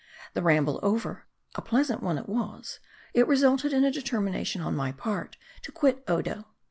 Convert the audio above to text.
The ramble over a pleasant one it was it resulted in a determination on my part to quit Odo.